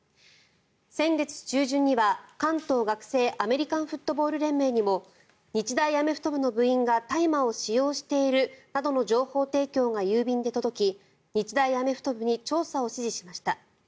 先月中旬には関東学生アメリカンフットボール連盟にも日大アメフト部の部員が大麻を使用しているなどの情報提供が郵便で届き、日大アメフト部に調査を指示しました。